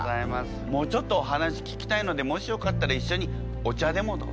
もうちょっとお話聞きたいのでもしよかったらいっしょにお茶でもどうですか？